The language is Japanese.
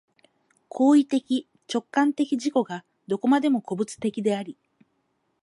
行為的直観的自己がどこまでも個物的であり、